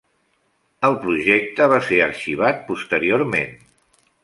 El projecte va ser arxivat posteriorment.